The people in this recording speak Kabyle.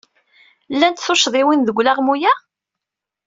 Llant tuccḍiwin deg ulaɣmu-a?